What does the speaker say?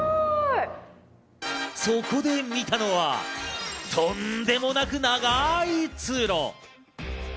そこで見たのは、とんでもなく長い通路。